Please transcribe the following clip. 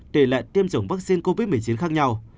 tỷ lệ tiêm chủng vaccine covid một mươi chín khác nhau